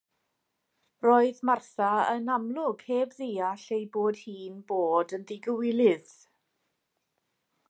Roedd Martha yn amlwg heb ddeall ei bod hi'n bod yn ddigywilydd.